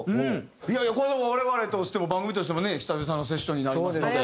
いやいやこれは我々としても番組としてもね久々のセッションになりますので。